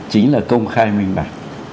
chính là công khai minh mạch